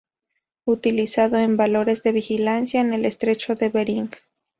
Utilizado en labores de vigilancia en el estrecho de Bering.